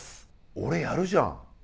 俺やるじゃん。